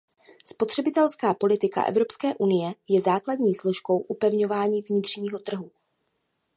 Spotřebitelská politika Evropské unie je základní složkou upevňování vnitřního trhu.